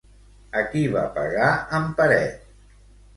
A qui va pegar en Peret?